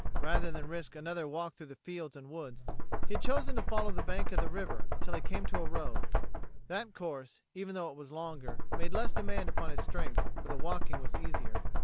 Rather than risk another walk through fields and woods, he had chosen to follow the bank of the river until he came to a road. That course, even though it was longer, made less demand upon his strength, for the walking was easier.